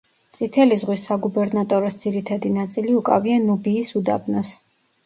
წითელი ზღვის საგუბერნატოროს ძირითადი ნაწილი უკავია ნუბიის უდაბნოს.